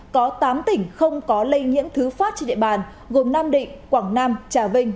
có tám tỉnh không có lây nhiễm thứ phát trên địa bàn gồm nam định quảng nam trà vinh